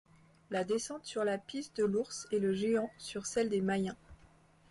La descente sur la Piste de l’Ours et le géant sur celle des Mayens.